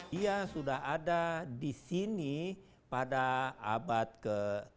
dia sudah ada di sini pada abad ke tujuh belas